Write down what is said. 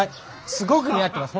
すごく似合ってます